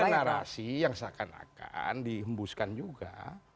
karena ada narasi yang seakan akan dihembuskan juga